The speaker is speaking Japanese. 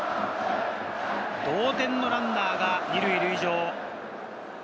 同点のランナーが２塁の塁上。